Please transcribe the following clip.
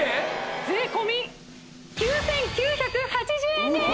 税込９９８０円です！